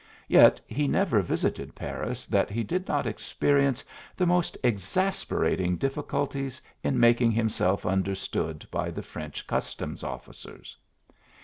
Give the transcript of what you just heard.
Yet he never visited Paris that he did not experience the most exasperating difficulties in making himself understood by the French customs officers.